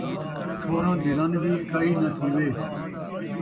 چھوہراں دی رن وی کئی ناں تھیوے